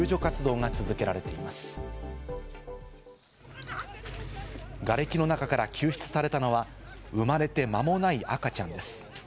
がれきの中から救出されたのは、生まれて間もない赤ちゃんです。